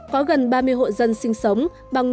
có gần ba mươi hộ dân sinh sống